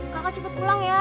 kakak cepat pulang ya